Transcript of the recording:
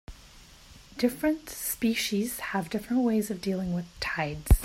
Different species have different ways of dealing with tides.